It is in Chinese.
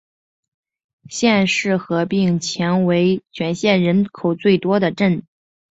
县市合并前为全县人口最多的镇。